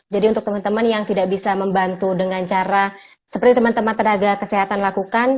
jadi untuk teman teman yang tidak bisa membantu dengan cara seperti teman teman tenaga kesehatan lakukan